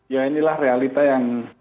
ya inilah realita yang